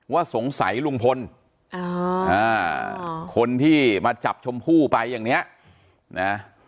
ว่าสงสัยลุงพลคนที่มาจับชมพู่ไปอย่างนี้นะ